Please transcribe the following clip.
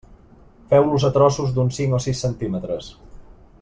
Feu-los a trossos d'uns cinc o sis centímetres.